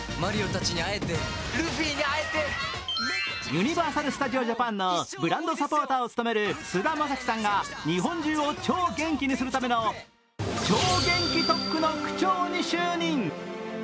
ユニバーサル・スタジオ・ジャパンのブランドサポーターを務める菅田将暉さんが日本中を超元気にするための超元気特区の区長に就任。